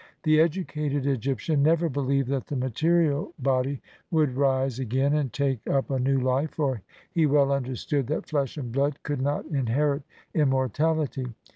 The educated Egyptian never believed that the material body would rise LXXXVI INTRODUCTION. again and take up a new life, for he well understood that flesh and blood could not inherit immortality.